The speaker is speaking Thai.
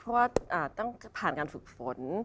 อาทิตย์ผ่านการฝึกฟ้น